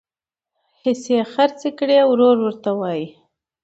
حصي خرڅي کړي ورور ورته وایي